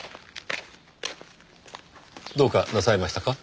どうかなさいましたか？